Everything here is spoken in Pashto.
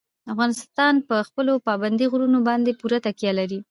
افغانستان په خپلو پابندي غرونو باندې پوره تکیه لري.